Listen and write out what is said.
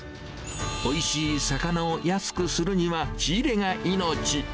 おいしい魚を安くするには、仕入れが命。